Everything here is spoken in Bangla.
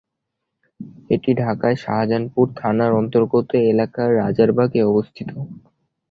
এটি ঢাকার শাহজাহানপুর থানার অন্তর্গত এলাকা রাজারবাগ-এ অবস্থিত।